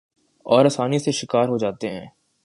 اور آسانی سے شکار ہو جاتے ہیں ۔